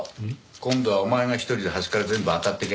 今度はお前が一人で端から全部あたっていけ。